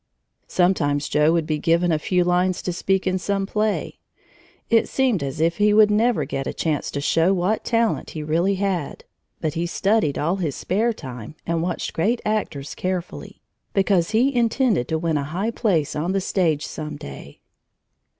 Sometimes Joe would be given a few lines to speak in some play. It seemed as if he would never get a chance to show what talent he really had. But he studied all his spare time and watched great actors carefully, because he intended to win a high place on the stage some day.